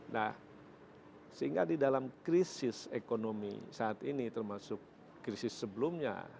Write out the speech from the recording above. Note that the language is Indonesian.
nah sehingga di dalam krisis ekonomi saat ini termasuk krisis sebelumnya